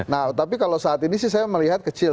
nah tapi kalau saat ini sih saya melihat kecil